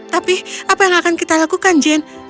tapi apa yang akan kita lakukan jane